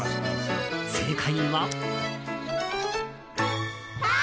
正解は。